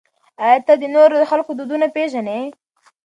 آیا ته د نورو خلکو دودونه پېژنې؟